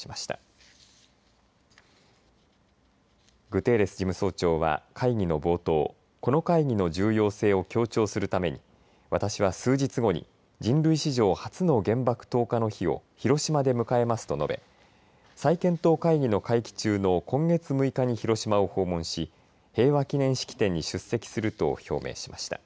グテーレス事務総長は会議の冒頭この会議の重要性を強調するために私は数日後に人類史上初の原爆投下の日を広島で迎えますと述べ再検討会議の会期中の今月６日に広島を訪問し平和記念式典に出席すると表明しました。